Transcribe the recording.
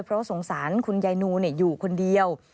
เพราะสงสารคุณยายนูอยู่คนเดียว